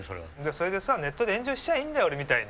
それでさネットで炎上しちゃーいいんだよ俺みたいに！